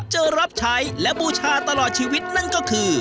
จะรับใช้และบูชาตลอดชีวิตนั่นก็คือ